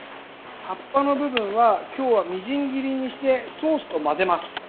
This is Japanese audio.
葉っぱの部分は今日は、みじん切りにしてソースと混ぜます。